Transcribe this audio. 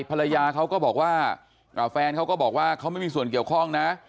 ภรรยาเขาก็บอกว่าแฟนเขาก็บอกว่าเขาไม่มีส่วนเกี่ยวข้องนะ